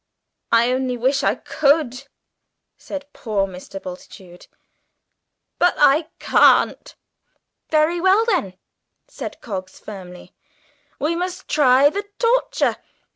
"I only wish I could," said poor Mr. Bultitude "but I can't!" "Very well, then," said Coggs firmly, "we must try the torture.